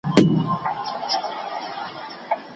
په وروسته پاته هېوادونو کي د پانګي کمښت د اقتصادي ودې مخه نیسي.